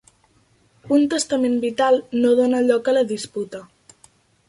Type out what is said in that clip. Un testament vital no dona lloc a la disputa.